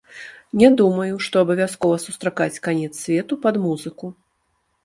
Не думаю, што абавязкова сустракаць канец свету пад музыку.